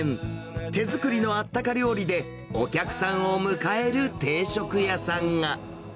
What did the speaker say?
手作りのあったか料理で、お客さんを迎える定食屋さんが。